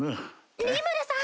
リムルさん！